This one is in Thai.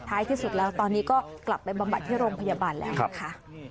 ที่สุดแล้วตอนนี้ก็กลับไปบำบัดที่โรงพยาบาลแล้วนะคะ